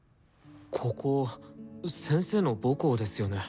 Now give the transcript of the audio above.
ここ先生の母校ですよね？